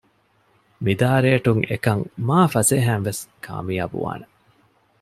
މިދާ ރޭޓުން އެކަން މާ ފަސޭހައިން ވެސް ކާމިޔާބު ވާނެ